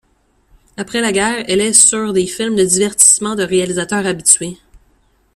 Après la guerre, elle est sur des films de divertissement de réalisateurs habitués.